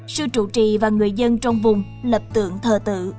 sư trụ trì và người dân trong vùng lập tượng thờ tự